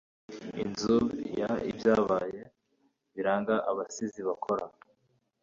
inzu ya ibyabaye biranga abasizi bakora